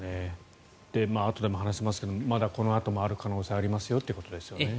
あとでも話しますがこのあともありますよということですね。